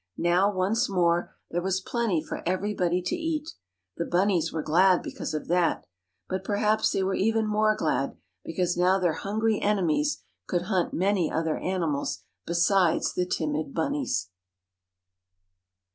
Now once more there was plenty for everybody to eat. The bunnies were glad because of that. But perhaps they were even more glad, because now their hungry enemies could hunt many other animals besides the timid bunnies.